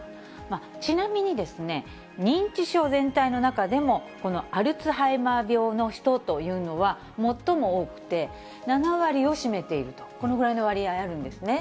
ちなみに、認知症全体の中でも、このアルツハイマー病の人というのは、最も多くて、７割を占めていると、このぐらいの割合あるんですね。